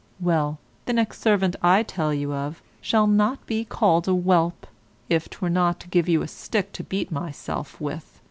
Well, the next servant I tell you of shall not be called a whelp, if 'twere not to give you a stick to beat myself with.